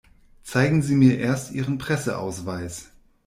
Zeigen Sie mir erst Ihren Presseausweis.